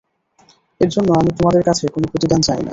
এর জন্যে আমি তোমাদের কাছে কোন প্রতিদান চাই না।